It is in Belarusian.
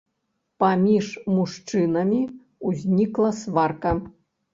Паміж мужчынамі ўзнікла сварка.